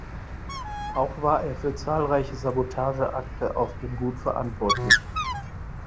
Auch war er für zahlreiche Sabotageakte auf dem Gut verantwortlich.